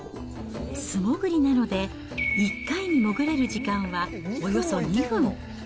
素潜りなので、１回に潜れる時間はおよそ２分。